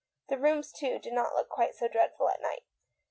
The rooms, too, did not look quite so dreadful at night.